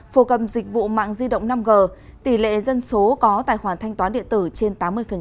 phổ cầm dịch vụ mạng di động năm g tỷ lệ dân số có tài khoản thanh toán điện tử trên tám mươi